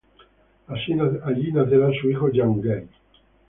Allí nacerá su hijo Jean-Guy.